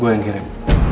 gue yang kirim